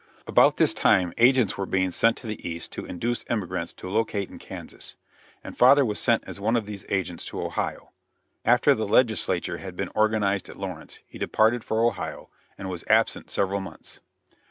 About this time agents were being sent to the East to induce emigrants to locate in Kansas, and father was sent as one of these agents to Ohio. After the legislature had been organized at Lawrence, he departed for Ohio and was absent several months.